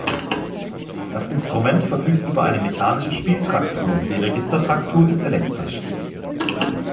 Das Instrument verfügt über eine mechanische Spieltraktur, die Registertraktur ist elektrisch.